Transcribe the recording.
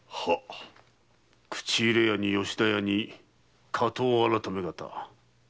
口入れ屋に吉田屋に火盗改方。